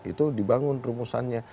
itu dibangun rumusannya